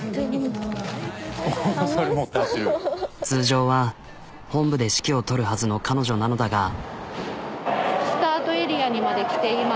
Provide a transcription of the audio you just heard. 通常は本部で指揮を執るはずの彼女なのだが。